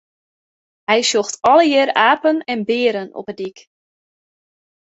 Hy sjocht allegear apen en bearen op 'e dyk.